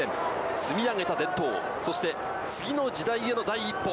積み上げた伝統、そして次の時代への第一歩。